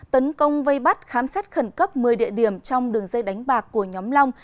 tấn công vây bắt khám xét khẩn cấp một mươi địa điểm trong đường dây đánh bạc của nhóm long